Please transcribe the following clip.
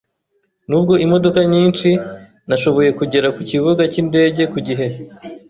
Nubwo imodoka nyinshi, nashoboye kugera ku kibuga cy'indege ku gihe.